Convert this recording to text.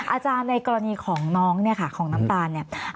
อาจารย์ในกรณีของน้องเนี่ยค่ะของน้ำตาลเนี่ย